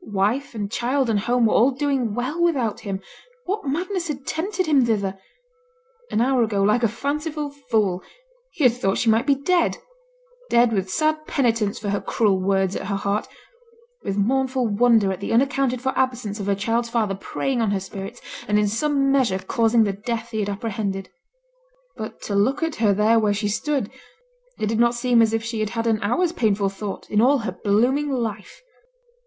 Wife, and child, and home, were all doing well without him; what madness had tempted him thither? an hour ago, like a fanciful fool, he had thought she might be dead dead with sad penitence for her cruel words at her heart with mournful wonder at the unaccounted for absence of her child's father preying on her spirits, and in some measure causing the death he had apprehended. But to look at her there where she stood, it did not seem as if she had had an hour's painful thought in all her blooming life.